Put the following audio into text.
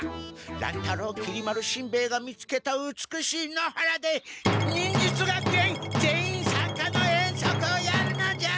乱太郎きり丸しんべヱが見つけた美しい野原で忍術学園全員さんかの遠足をやるのじゃ！